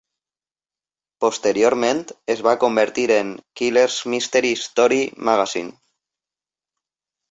Posteriorment es va convertir en "Killers Mystery Story Magazine".